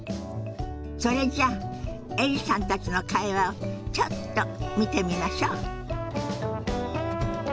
それじゃエリさんたちの会話をちょっと見てみましょ。